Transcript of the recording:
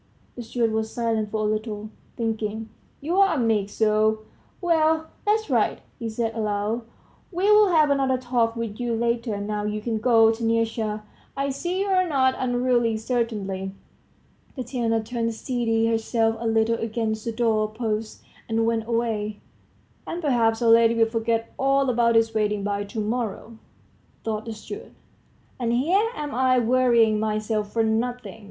The steward was silent for a little, thinking, "You're a meek soul! Well, that's right," he said aloud; "we'll have another talk with you later, now you can go, Taniusha; I see you're not unruly, certainly." Tatiana turned, steadied herself a little against the doorpost, and went away. "And, perhaps, our lady will forget all about this wedding by to morrow," thought the steward; "and here am I worrying myself for nothing!